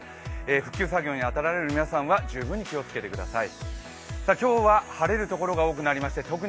復旧作業に当たられる皆さんは十分に気をつけてください。